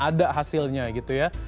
ada hasilnya gitu ya